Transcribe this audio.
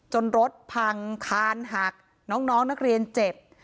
รถพังคานหักน้องนักเรียนเจ็บ